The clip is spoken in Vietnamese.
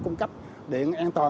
cung cấp điện an toàn